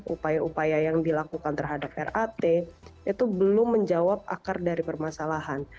upaya upaya yang dilakukan terhadap rat itu belum menjawab akar dari permasalahan